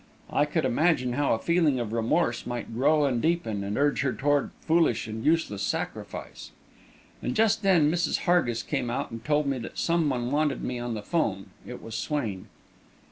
I could imagine how a feeling of remorse might grow and deepen, and urge her toward foolish and useless sacrifice. And just then Mrs. Hargis came out and told me that someone wanted me on the 'phone. It was Swain.